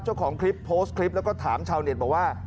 เจ้าของคลิปโพสต์คลิปแล้วก็ถามชาวเน็ตบอกว่า